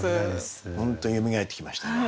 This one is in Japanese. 本当によみがえってきました。